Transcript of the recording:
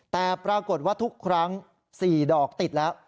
แต่ปรากฏว่าทุกครั้ง๔ดอกติดแล้ว